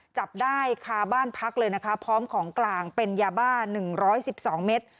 จับได้ค่ะบ้านพักเลยนะคะพร้อมของกลางเป็นยาบ้านหนึ่งร้อยสิบสองเมตร